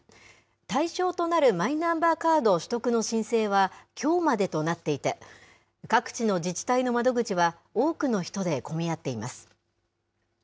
対象となるマイナンバーカード取得の申請は、きょうまでとなっていて、各地の自治体の窓口は、多くの人で混み合っています。